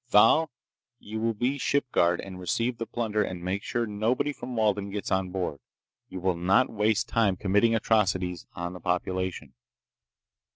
Thal, you will be ship guard and receive the plunder and make sure that nobody from Walden gets on board. You will not waste time committing atrocities on the population!"